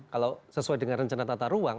kalau sesuai dengan rencana tata ruang